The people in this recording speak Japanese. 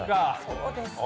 そうです。